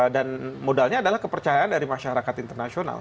dan modalnya adalah kepercayaan dari masyarakat internasional